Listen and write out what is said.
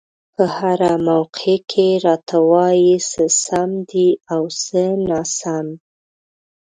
په هره موقع کې راته وايي څه سم دي او څه ناسم.